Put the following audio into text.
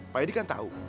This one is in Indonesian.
pak yadi kan tau